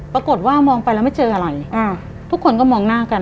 ปรากฏว่ามองไปแล้วไม่เจออะไรอ่าทุกคนก็มองหน้ากัน